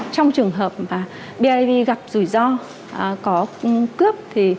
trong trường hợp bidv gặp rủi ro có cướp